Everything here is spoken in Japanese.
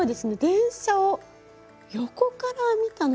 電車を横から見たのかな？